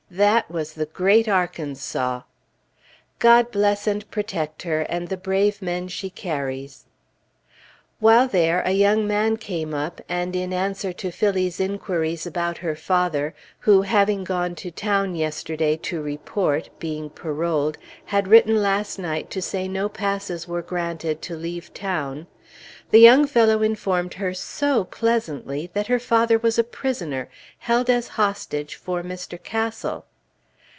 That was the great Arkansas! God bless and protect her, and the brave men she carries. While there, a young man came up, and in answer to Phillie's inquiries about her father who, having gone to town yesterday to report, being paroled, had written last night to say no passes were granted to leave town the young fellow informed her so pleasantly that her father was a prisoner, held as hostage for Mr. Castle.